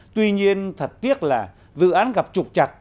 tuy nhiên thật tiếc là dự án gặp trục chặt